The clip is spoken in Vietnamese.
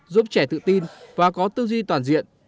giúp trẻ tự tin và có tư duy toàn diện